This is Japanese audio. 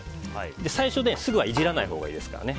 最初、すぐはいじらないほうがいいですからね。